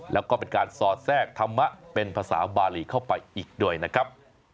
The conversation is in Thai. แล้วก็เป็นการสอดแทรกธรรมะเป็นภาษาบาลีเข้าไปอีกด้วยนะครับ